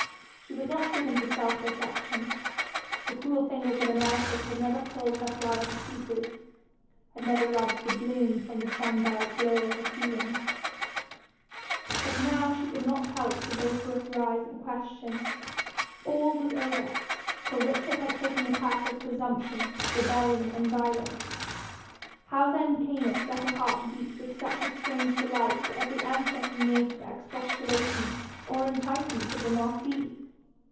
She was not given to self dissection. The cruel fingers of analysis had never pulled her flower to pieces, had never rubbed the bloom from the sun dyed glow of her feelings. But now she could not help the vaporous rise of a question: all was over, for Richard had taken the path of presumption, rebellion, and violence how then came it that her heart beat with such a strange delight at every answer he made to the expostulations or enticements of the marquis?